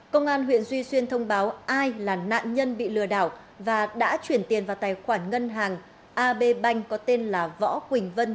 công an huyện duy xuyên thông báo ai là nạn nhân bị lừa đảo và đã chuyển tiền vào tài khoản ngân hàng ab bank có tên là võ quỳnh vân